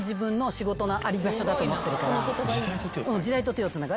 時代と手をつなぐ？